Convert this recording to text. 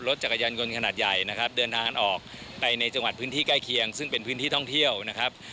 รถจักรยานยนต์ขนาดใหญ่นะครับเดินทางออกไปในจังหวัดพื้นที่ใกล้เคียงซึ่งเป็นพื้นที่ท่องเที่ยวนะครับ